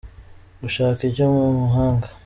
gushaka icyo mu mahanga.